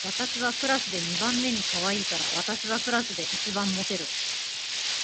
私はクラスで二番目にかわいいから、私はクラスで一番モテる